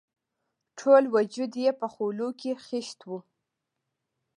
ټول وجود یې په خولو کې خیشت وو.